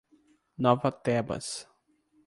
Nova Tebas